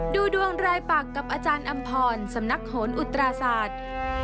ดูดวงรายปักกับอาจารย์อำพรสำนักโหนอุตราศาสตร์